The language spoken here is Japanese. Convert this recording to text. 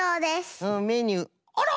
メニューあら！